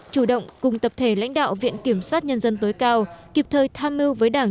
chủ động cùng tập thể lãnh đạo viện kiểm sát nhân dân tối cao kịp thời tham mưu với đảng